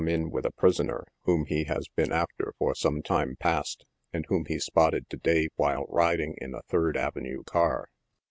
in with a prisoner whom he has been after for some time past, and whom he " spotted" to day while riding in a Third avenue car.